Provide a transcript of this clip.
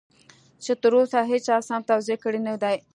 چې تر اوسه هېچا سم توضيح کړی نه دی.